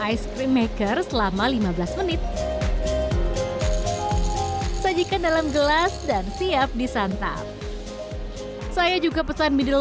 ice cream maker selama lima belas menit sajikan dalam gelas dan siap disantap saya juga pesan middle